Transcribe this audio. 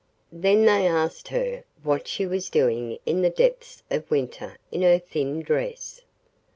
Then they asked her what she was doing in the depths of winter in her thin dress.